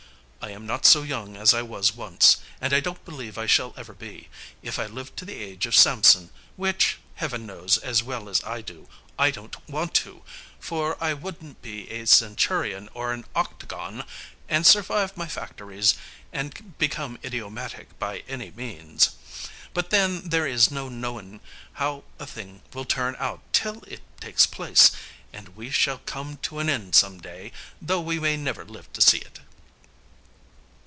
I am not so young as I was once, and I don't believe I shall ever be, if I live to the age of Samson, which, Heaven knows as well as I do, I don't want to, for I wouldn't be a centurion or an octagon, and survive my factories, and become idiomatic, by any means. But then there is no knowing how a thing will turn out till it takes place; and we shall come to an end some day, though we may never live to see it."